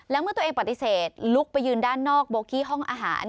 แล้วเมื่อตัวเองปฏิเสธลุกไปยืนด้านนอกโบกี้ห้องอาหาร